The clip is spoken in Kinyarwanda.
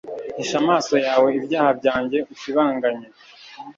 Hisha amaso yawe ibyaha byanjye Usibanganye